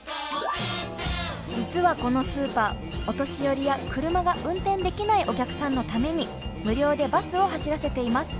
実はこのスーパーお年寄りや車が運転できないお客さんのために無料でバスを走らせています。